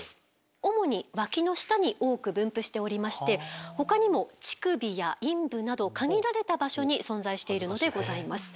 主にワキの下に多く分布しておりましてほかにも乳首や陰部など限られた場所に存在しているのでございます。